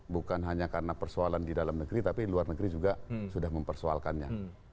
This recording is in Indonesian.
bukan hanya karena persoalan di dalam negeri tapi luar negeri juga sudah mempersoalkannya